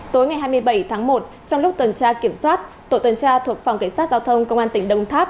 tối hai mươi bảy một trong lúc tuần tra kiểm soát tội tuần tra thuộc phòng cảnh sát giao thông công an tỉnh đông tháp